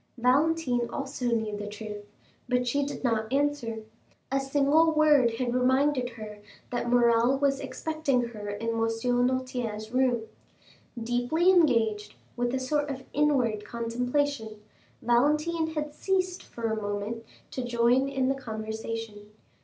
Valentine also knew the truth, but she did not answer. A single word had reminded her that Morrel was expecting her in M. Noirtier's room. Deeply engaged with a sort of inward contemplation, Valentine had ceased for a moment to join in the conversation.